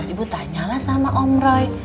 ibu tanyalah sama om roy